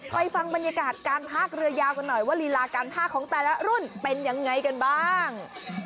ไปฟังบรรยากาศการพากเรือยาวกันหน่อยว่าลีลาการภาคของแต่ละรุ่นเป็นยังไงกันบ้าง